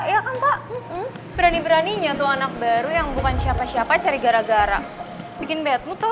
ya kan tak berani beraninya tuh anak baru yang bukan siapa siapa cari gara gara bikin betmu tahu